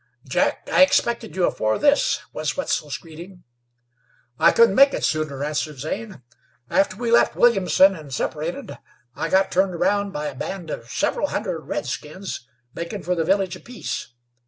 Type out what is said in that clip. "Jack, I expected you afore this," was Wetzel's greeting. "I couldn't make it sooner," answered Zane. "After we left Williamson and separated, I got turned around by a band of several hundred redskins makin' for the Village of Peace.